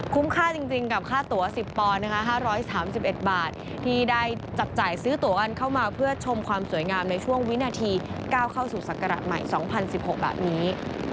ค่าจริงกับค่าตัว๑๐ปอนด์นะคะ๕๓๑บาทที่ได้จับจ่ายซื้อตัวกันเข้ามาเพื่อชมความสวยงามในช่วงวินาทีก้าวเข้าสู่ศักราชใหม่๒๐๑๖แบบนี้